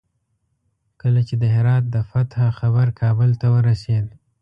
کله چې د هرات د فتح خبر کابل ته ورسېد.